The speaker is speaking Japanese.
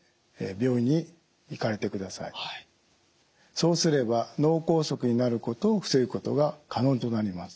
そうすれば脳梗塞になることを防ぐことが可能となります。